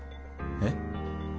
えっ？